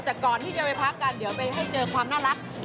แต่ก่อนที่จะไปพักกันเดี๋ยวไปให้เจอความน่ารัก